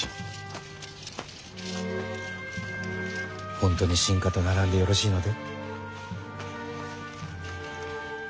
本当に臣下とならんでよろしいので？